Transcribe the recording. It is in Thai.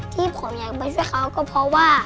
ที่ผมอยากไปช่วยเขาก็เพราะว่า